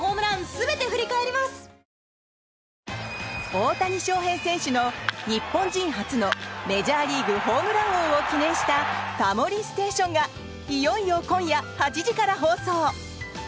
大谷翔平選手の日本人初のメジャーリーグホームラン王を記念した「タモリステーション」がいよいよ今夜８時から放送。